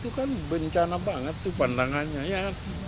itu kan bencana banget tuh pandangannya ya